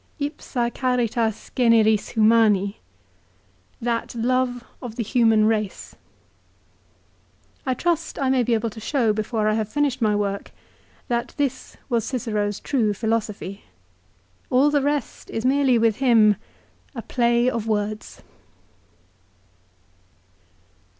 " Ipsa caritas generis, humani !"" That love of the human race !" I trust I may be able to show, before I have finished my work, that this was Cicero's true philosophy. All the rest is merely with him a play of words.